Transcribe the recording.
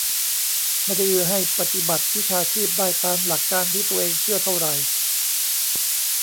ไม่ได้เอื้อให้ปฏิบัติวิชาชีพได้ตามหลักการที่ตัวเองเชื่อเท่าไหร่